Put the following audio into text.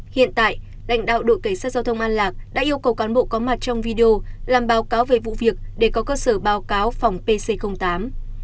hiện tại lãnh đạo đội cảnh sát giao thông an lạc đã yêu cầu cán bộ có mặt trong video làm báo cáo về vụ việc để có cơ sở báo cáo phòng pc tám